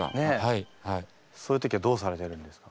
そういう時はどうされてるんですか？